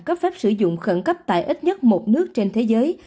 cấp phép sử dụng khẩn cấp tại ít nhất một nước trên thế giới